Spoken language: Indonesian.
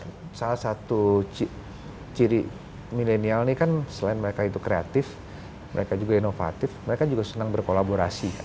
nah salah satu ciri milenial ini kan selain mereka itu kreatif mereka juga inovatif mereka juga senang berkolaborasi kan